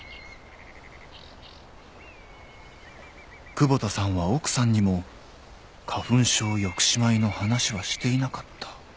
［窪田さんは奥さんにも花粉症抑止米の話はしていなかった］